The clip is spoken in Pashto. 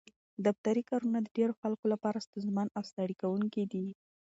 دفتري کارونه د ډېرو خلکو لپاره ستونزمن او ستړي کوونکي دي.